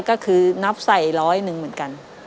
ก็คือนับใส่ร้อยหนึ่งเหมือนกัน